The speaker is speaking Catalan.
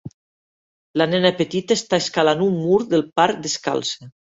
La nena petita està escalant un mur del parc descalça.